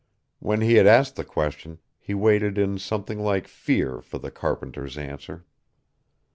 When he had asked the question, he waited in something like fear for the carpenter's answer.